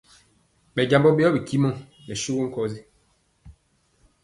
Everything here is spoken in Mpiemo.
Ɓɛ jambɔ ɓeyɔ bitimɔ nɛ suwu nkɔsi.